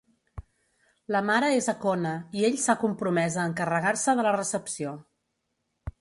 La mare és a Kona i ell s'ha compromès a encarregar-se de la recepció.